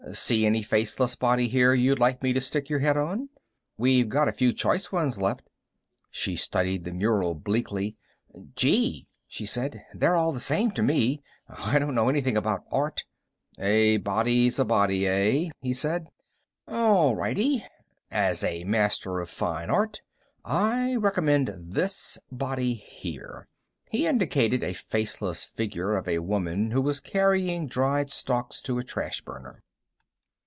See any faceless body here you'd like me to stick your head on? We've got a few choice ones left." She studied the mural bleakly. "Gee," she said, "they're all the same to me. I don't know anything about art." "A body's a body, eh?" he said. "All righty. As a master of fine art, I recommend this body here." He indicated a faceless figure of a woman who was carrying dried stalks to a trash burner.